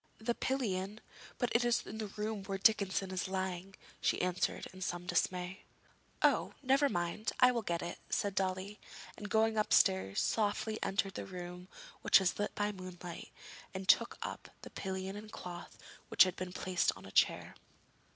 'The pillion? But it is in the room where Dickinson is lying,' she answered in some dismay. 'Oh, never mind, I will get it!' said Dolly, and, going upstairs, softly entered the room, which was lit by moonlight, and took up the pillion and cloth, which had been placed on a chair.